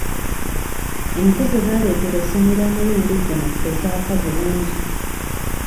Enku ze baaleetera essomero omulundi guno tezaaka bulungi.